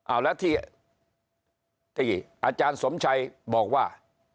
เอาแล้วที่อาจารย์สมชัยบอกว่า